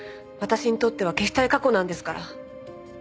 私にとっては消したい過去なんですから。